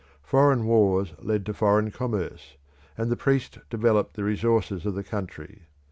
Foreign wars led to foreign commerce, and the priest developed the resources of the country.